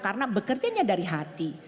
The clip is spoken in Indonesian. karena bekerjanya dari hati